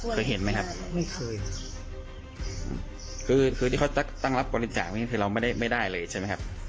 เคยเห็นไหมครับไม่เคยครับคือคือที่เขาตั้งรับบริจาคนี้คือเราไม่ได้ไม่ได้เลยใช่ไหมครับ